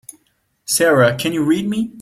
Sara can you read me?